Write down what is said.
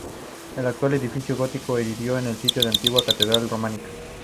El actual edificio gótico se erigió en el sitio de la antigua catedral románica.